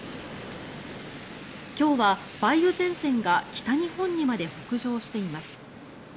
今日は梅雨前線が北日本にまで北上しています。